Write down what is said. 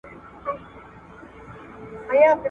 موږ ته ورکي لاري را آسانه کړي ,